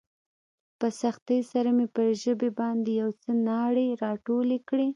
په سختۍ سره مې پر ژبې باندې يو څه ناړې راټولې کړې.